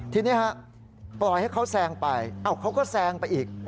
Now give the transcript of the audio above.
ทีนี้ฮะปล่อยให้เขาแซงไปเขาก็แซงไปอีก